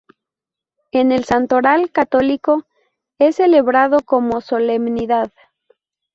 En el Santoral católico, es celebrado como solemnidad.